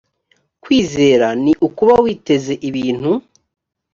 kwizera ni ukuba witeze ibintu